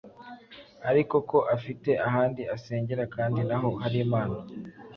ariko ko afite ahandi asengera kandi naho hari imana